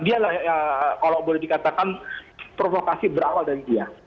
dia lah kalau boleh dikatakan provokasi berawal dari dia